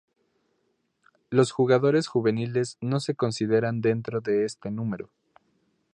Los jugadores juveniles no se consideran dentro de este número.